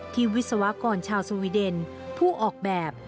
วิศวกรชาวสวีเดนผู้ออกแบบ